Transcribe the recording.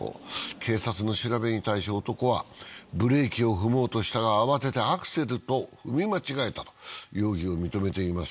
警察の調べに対し男は、ブレーキを踏もうとしたが、慌ててアクセルと踏み間違えたと容疑を認めています。